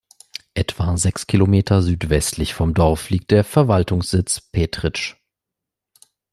Etwa sechs Kilometer südwestlich vom Dorf liegt der Verwaltungssitz Petritsch.